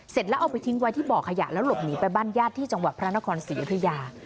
เสร็จแล้วเอาไปทิ้งไว้ที่บ่อขยะแล้วหลบหนีไปบ้านญาติที่จังหวัดพระนครศรีอยุธยา